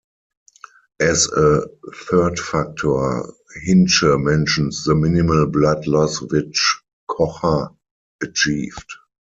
As a third factor, Hintzsche mentions the minimal blood loss which Kocher achieved.